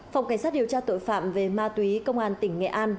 phòng cảnh sát điều tra tội phạm về ma túy công an tỉnh nghệ an